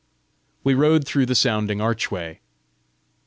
We rode through the sounding archway.